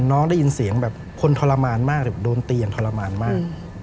ได้ยินเสียงแบบคนทรมานมากโดนตีอย่างทรมานมาก